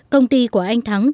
công ty của anh thắng